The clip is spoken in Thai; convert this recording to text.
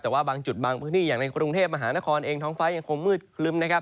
แต่ว่าบางจุดบางพื้นที่อย่างในกรุงเทพมหานครเองท้องฟ้ายังคงมืดคลึ้มนะครับ